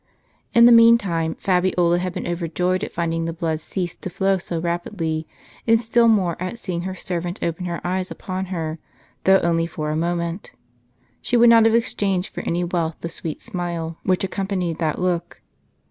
In the meantime Fabiola had been overjoyed at finding the blood cease to flow so rapidly, and still more at seeing her Cemetery of Callistus. servant open her eyes upon her, though only for a moment. She would not have exchanged for any wealth the sweet smile which accompanied that look.